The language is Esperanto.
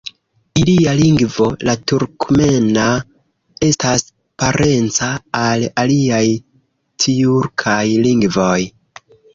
Ilia lingvo, la turkmena, estas parenca al aliaj tjurkaj lingvoj.